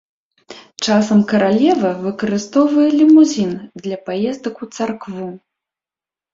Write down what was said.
Часам каралева выкарыстоўвае лімузін для паездак у царкву.